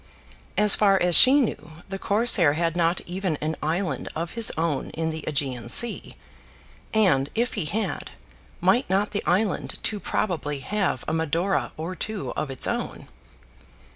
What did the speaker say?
As far as she knew, the Corsair had not even an island of his own in the Ægean Sea. And, if he had, might not the island too probably have a Medora or two of its own?